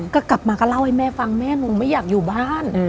ก็กลับมาก็เล่าให้แม่ฟังแม่หนูไม่อยากอยู่บ้าน